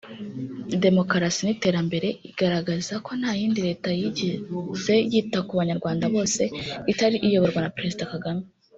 demokarasi n’iterambere; igaragaza ko nta yindi leta yigeze yita ku Banyarwanda bose itari iyoborwa na Perezida Kagame